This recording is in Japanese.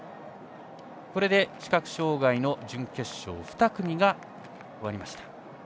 これで視覚障がいの準決勝２組が終わりました。